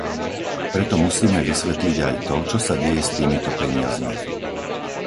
Preto musíme vysvetliť aj to, čo sa deje s týmito peniazmi.